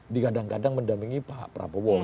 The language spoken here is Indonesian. digadang gadang mendampingi pak prabowo